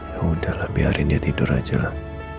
yaudahlah biarin dia tidur aja lah